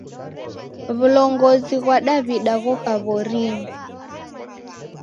W'ulongozi ghwa Daw'ida ghoka w'orinyi.